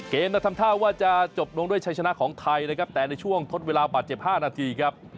ทำท่าว่าจะจบลงด้วยชัยชนะของไทยนะครับแต่ในช่วงทดเวลาบาดเจ็บ๕นาทีครับ